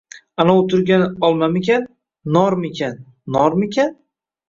Аnov turgan olmamikan, normikan, normikan